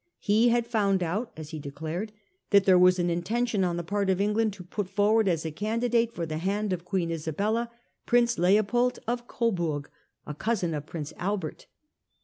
He had found out, as he declared, that there was an intention on the part of England to put forward as a candidate for the hand , of Queen Isabella, Prince Leopold of Coburg, a cousin of Prince Albert.